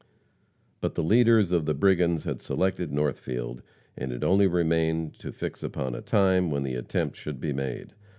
But the leaders of the brigands had selected Northfield, and it only remained to fix upon a time when the attempt should be made.